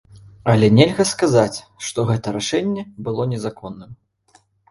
Але нельга сказаць, што гэтае рашэнне было незаконным.